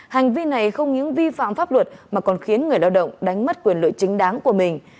hành vi này không những vi phạm pháp luật mà còn khiến người lao động đánh mất quyền lợi chính đáng của mình